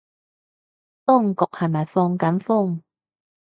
當局係咪放緊風